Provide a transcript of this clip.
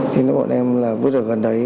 thế nên bọn em là vứt ở gần đấy